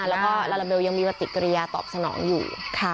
ลาลาเบลยังมีวัติกรยาตอบสนองอยู่